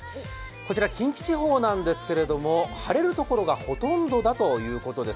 こちら近畿地方ですが晴れるところがほとんどだということです。